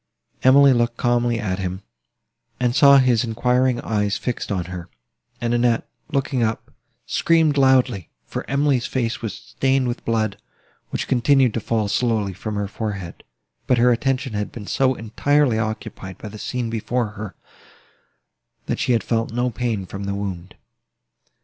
Emily looked calmly at him, and saw his enquiring eyes fixed on her: and Annette, looking up, screamed loudly; for Emily's face was stained with blood, which continued to fall slowly from her forehead: but her attention had been so entirely occupied by the scene before her, that she had felt no pain from the wound.